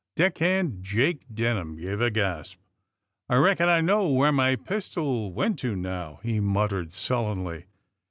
'^ Deck hand Jake Denham gave a gasp. *'I reckon I know where my pistol went to now !" he muttered sullenly.